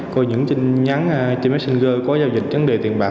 có những tin nhắn trên messenger có giao dịch vấn đề tiền bạc